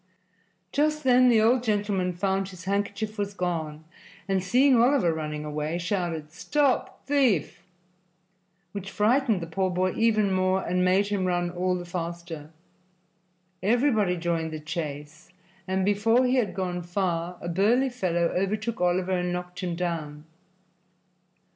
Just then the old gentleman found his handkerchief was gone and, seeing Oliver running away, shouted "Stop thief!" which frightened the poor boy even more and made him run all the faster. Everybody joined the chase, and before he had gone far a burly fellow overtook Oliver and knocked him down.